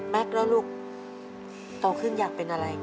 แล้วลูกโตขึ้นอยากเป็นอะไร